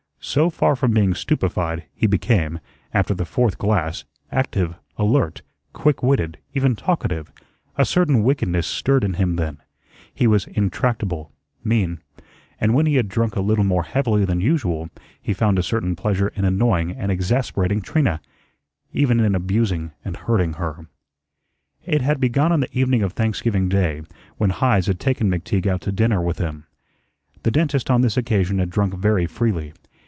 So far from being stupefied, he became, after the fourth glass, active, alert, quick witted, even talkative; a certain wickedness stirred in him then; he was intractable, mean; and when he had drunk a little more heavily than usual, he found a certain pleasure in annoying and exasperating Trina, even in abusing and hurting her. It had begun on the evening of Thanksgiving Day, when Heise had taken McTeague out to dinner with him. The dentist on this occasion had drunk very freely.